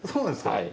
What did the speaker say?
はい。